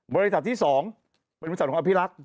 บริษัทที่๒เป็นบริษัทของอภิรักษ์